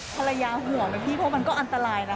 ห่วงเลยพี่เพราะมันก็อันตรายนะ